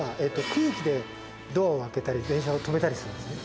空気でドアを開けたり、電車を止めたりするんですね。